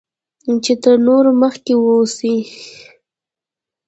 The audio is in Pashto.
چې تر نورو مخکې واوسی